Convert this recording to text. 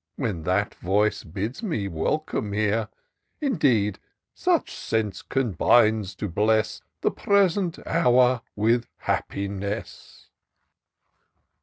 When that voice bids me welcome here ! Indeed, each sense combines to bless The present hour with happiness."